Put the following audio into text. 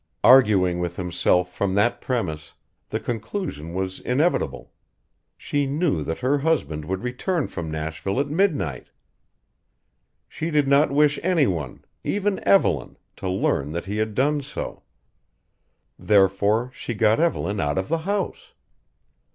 Arguing with himself from that premise, the conclusion was inevitable: she knew that her husband would return from Nashville at midnight. She did not wish anyone even Evelyn, to learn that he had done so. Therefore she got Evelyn out of the house!